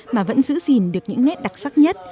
mà vẫn giữ gìn được những nét đặc sắc nhất